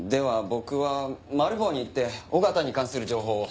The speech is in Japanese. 僕はマル暴に行って緒方に関する情報を。